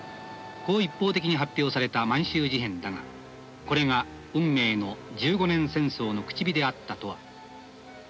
こう一方的に発表された満州事変だがこれが運命の十五年戦争の口火であったとは。